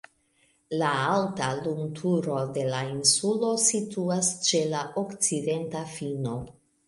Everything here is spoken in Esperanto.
La alta lumturo de la insulo situas ĉe la okcidenta fino.